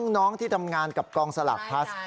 น้องที่ทำงานกับกองสลากพลัส